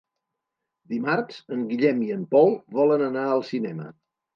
Dimarts en Guillem i en Pol volen anar al cinema.